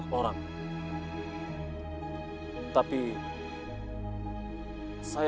pergi ke sana